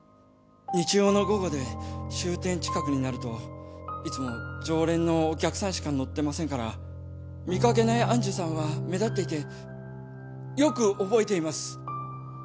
日曜の午後で終点近くになるといつも常連のお客さんしか乗ってませんから見掛けない愛珠さんは目立っていてよく覚えています。